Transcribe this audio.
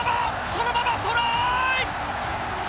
そのままトライ！